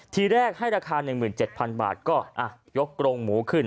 ทีแรกให้ราคา๑๗๐๐บาทก็ยกกรงหมูขึ้น